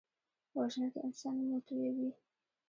وژنه د انسان وینه تویوي